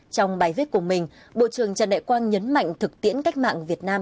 trong bài viết của mình bộ trưởng trần đại quang nhấn mạnh thực tiễn cách mạng việt nam